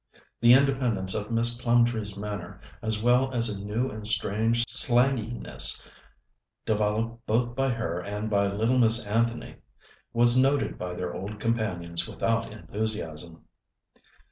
The independence of Miss Plumtree's manner, as well as a new and strange slanginess developed both by her and by little Miss Anthony, was noted by their old companions without enthusiasm.